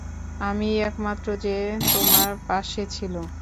আমিই একমাত্র যে তোমার পাশে ছিল।